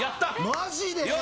マジで！？